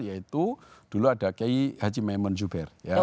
yaitu dulu ada kayi haji memon juber